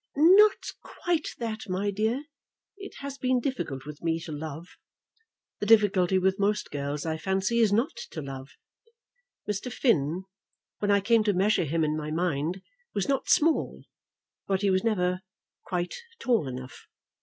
"Not quite that, my dear. It has been difficult with me to love. The difficulty with most girls, I fancy, is not to love. Mr. Finn, when I came to measure him in my mind, was not small, but he was never quite tall enough.